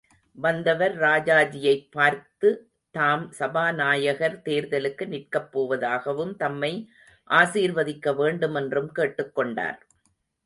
வந்தவர் ராஜாஜியைப்பார்த்து, தாம் சபாநாயகர் தேர்தலுக்கு நிற்கப் போவதாகவும் தம்மை ஆசீர்வதிக்க வேண்டுமென்றும் கேட்டுக் கொண்டார்.